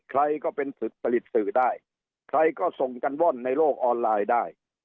ใครก็เป็นผลิตสื่อได้ใครก็ส่งกันว่อนในโลกออนไลน์ได้